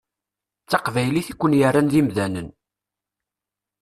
D taqbaylit i ken-yerran d imdanen.